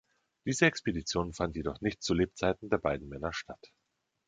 Diese Expedition fand jedoch nicht zu Lebzeiten der beiden Männer statt.